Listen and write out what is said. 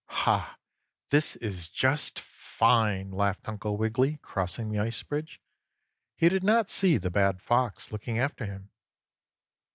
"Ha! This is just fine!" laughed Uncle Wiggily, crossing the ice bridge. He did not see the bad Fox looking after him.